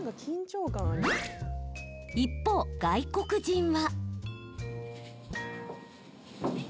一方、外国人は。